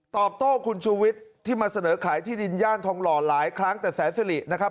ตอบโต้คุณชูวิทย์ที่มาเสนอขายที่ดินย่านทองหล่อหลายครั้งแต่แสนสิรินะครับ